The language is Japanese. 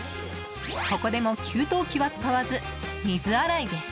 ここでも給湯器は使わず水洗いです。